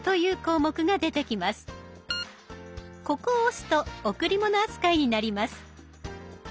ここを押すと贈り物扱いになります。